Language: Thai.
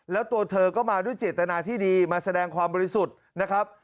แล้วตัวเธอก็มาด้วยเจตนาที่ดีมาแสดงความบริสุทธิ์นะครับ